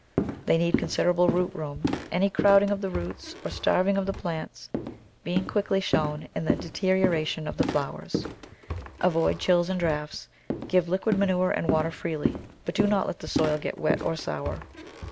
They need considerable root room — any crowding of the roots, or starving of the plants being quickly shown in the deteriora tion of die flowers. Avoid chills and draughts. Give liquid manure and water freely, but do not let the soil get wet or sour.